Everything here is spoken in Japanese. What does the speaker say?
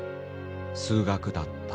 数学だった。